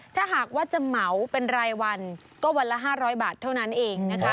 ถ้าหากว่าจะเหมาเป็นรายวันก็วันละ๕๐๐บาทเท่านั้นเองนะคะ